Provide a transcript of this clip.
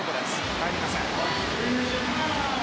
入りません。